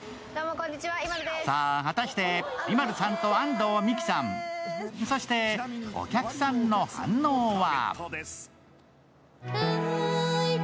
果たしてＩＭＡＬＵさんと安藤美姫さんそしてお客さんの反応は？